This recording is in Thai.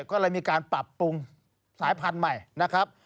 ก็เลยมีการปรับปรุงสายพันธุ์ใหม่นะครับ